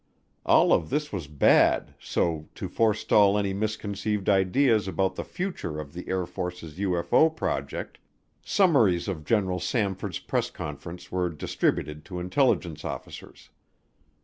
All of this was bad, so to forestall any misconceived ideas about the future of the Air Force's UFO project, summaries of General Samford's press conference were distributed to intelligence officers.